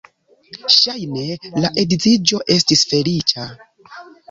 Ŝajne la edziĝo estis feliĉa.